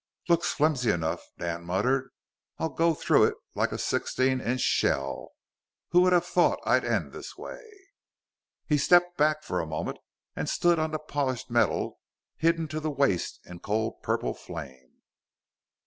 "Looks flimsy enough," Dan muttered. "I'll go through it like a sixteen inch shell! Who would have thought I'd end this way!" He stepped back for a moment, and stood on the polished metal, hidden to the waist in cold purple flame.